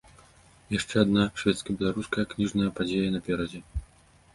Яшчэ адна шведска-беларуская кніжная падзея наперадзе.